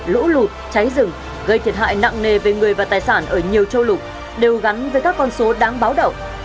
lũ lụt cháy rừng gây thiệt hại nặng nề về người và tài sản ở nhiều châu lục đều gắn với các con số đáng báo động